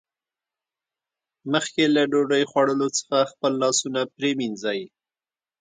مخکې له ډوډۍ خوړلو څخه خپل لاسونه پرېمینځئ